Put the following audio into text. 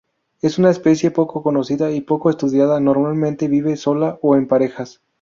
Es una especie poco conocida y poco estudiada; normalmente vive sola o en parejas.